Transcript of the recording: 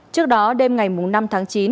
trước đó đêm ngày năm tháng chín